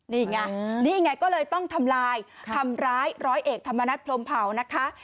นี่ไงนี่ไงก็เลยต้องทำลายทำร้ายร้อยเอกธรรมนัฐพรมเผานะคะ